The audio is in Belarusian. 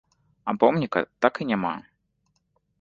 А помніка так і няма.